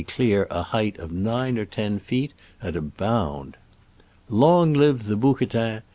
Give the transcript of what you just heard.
clear a height of nine or ten feet at a bound ! Long live the bouquetin!